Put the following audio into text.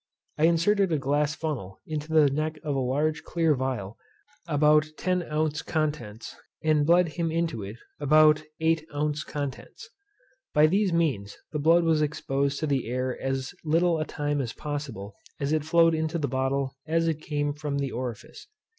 I inserted a glass funnel into the neck of a large clear phial about oz. x. contents, and bled him into it to about oz. viii. By these means the blood was exposed to the air as little a time as possible, as it flowed into the bottle as it came from the orifice.